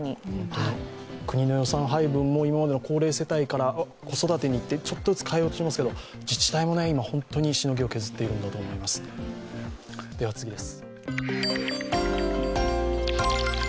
国の予算配分も今までの高齢世帯から子育てにってちょっとずつ変えようとしてますけど自治体も本当にしのぎを削っているんだと思います。